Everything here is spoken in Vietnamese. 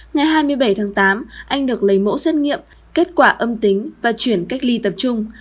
ngày hai mươi bảy tháng tám anh được lấy mẫu xét nghiệm kết quả âm tính và chuyển cách ly tập trung